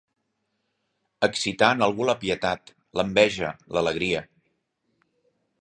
Excitar en algú la pietat, l'enveja, l'alegria.